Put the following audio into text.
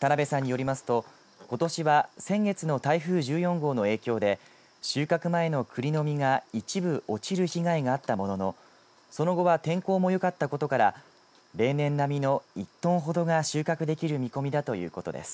田辺さんによりますと、ことしは先月の台風１４号の影響で収穫前のくりの実が一部落ちる被害があったもののその後は天候もよかったことから例年並みの１トンほどが収穫できる見込みだということです。